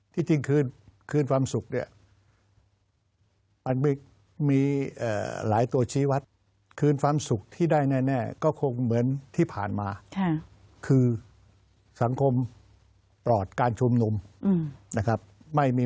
ที่จริงคืนความสุขเนี่ยมันมีหลายตัวชี้วัดคืนความสุขที่ได้แน่ก็คงเหมือนที่ผ่านมาคือสังคมปลอดการชุมนุมนะครับไม่มี